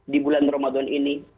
di bulan ramadan ini